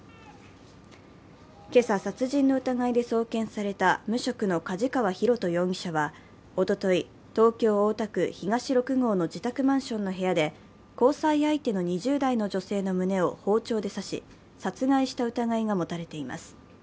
今朝、殺人の疑いで送検された無職の梶川寛人容疑者はおととい、東京・大田区東六郷の自宅マンションの部屋で交際相手の２０代の女性の胸を包丁で刺し殺害した疑いが持たれています。